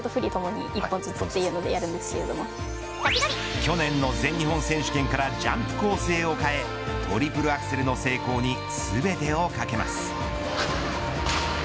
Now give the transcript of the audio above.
去年の全日本選手権からジャンプ構成を変えトリプルアクセルの成功に全てをかけます。